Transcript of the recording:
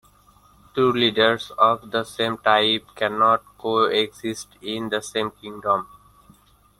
Two leaders of the same type can not coexist in the same kingdom.